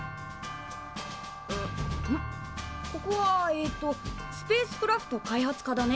ここはえっとスペースクラフト開発科だね。